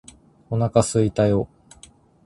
お腹すいたよ！！！！！